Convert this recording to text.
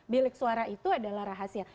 bilik suara itu adalah rahasia